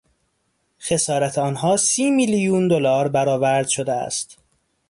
خسارت آنها سی میلیون دلار برآورد شده است.